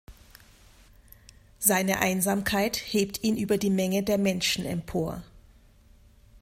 Seine Einsamkeit hebt ihn über die Menge der Menschen empor.